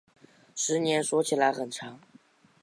十年说起来很长